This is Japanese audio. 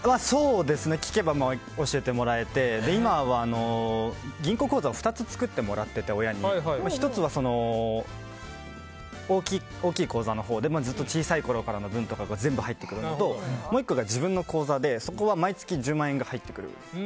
聞けば教えてもらえて今は銀行口座を２つ作ってもらってて１つは大きい口座のほうでずっと小さいころからの分が全部入ってくるのともう１個が自分の口座でそこは毎月１０万円が入ってくる。